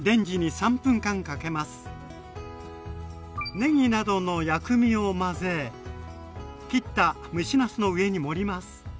ねぎなどの薬味を混ぜ切った蒸しなすの上に盛ります。